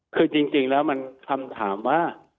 คือจริงแล้วมันคำถามว่า